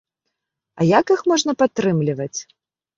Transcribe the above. А як іх можна падтрымліваць?